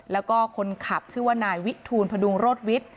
แล้วก็คนขับชื่อว่านายวิทูลพดุงโรศวิทย์